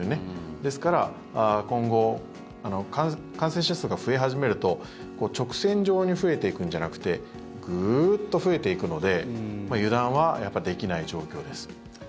ですから、今後感染者数が増え始めると直線状に増えていくんじゃなくてグーッと増えていくので油断はできない状況です。